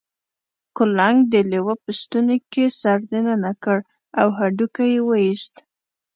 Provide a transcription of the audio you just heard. کلنګ د لیوه په ستوني کې سر دننه کړ او هډوکی یې وویست.